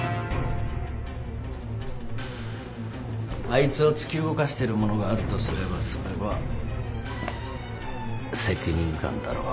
あいつを突き動かしてるものがあるとすればそれは責任感だろう。